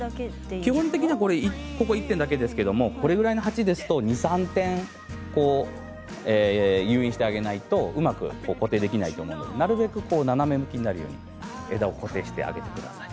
基本的に１点でいいんですけどこれぐらいの鉢ですと２、３点、誘引してあげないとうまく固定できないと思うのでなるべく斜め向きになるように枝を固定してあげてください。